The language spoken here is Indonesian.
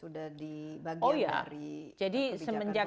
jadi bagian dari kebijakan pemerintah